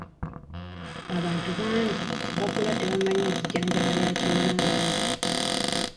Abantu bangi bakula tebamanyi nzijanjaba ya kinnansi.